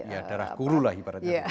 ya darah guru lah ibaratnya